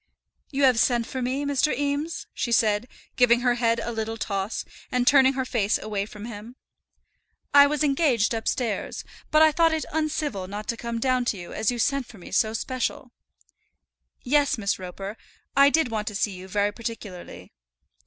"You have sent for me, Mr. Eames," she said, giving her head a little toss, and turning her face away from him. "I was engaged upstairs, but I thought it uncivil not to come down to you as you sent for me so special." "Yes, Miss Roper, I did want to see you very particularly."